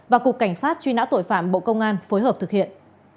và cục cảnh sát truy nã tội phạm bộ công an phối hợp thực hiện